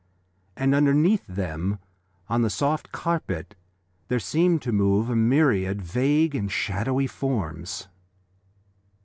And underneath them on the soft carpet there seemed to move a myriad vague and shadowy forms.